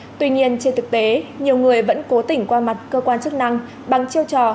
nhưng trên thực tế nhiều người vẫn cố tỉnh qua mặt cơ quan chức năng bằng chiêu trò